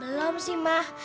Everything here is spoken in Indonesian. belom sih mas